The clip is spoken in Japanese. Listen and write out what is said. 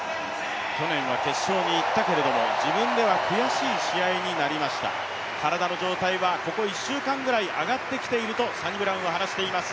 去年は決勝にいったけれども、自分では悔しい試合になりました、体の状態はここ１週間ぐらい上がってきているとサニブラウンは話しています。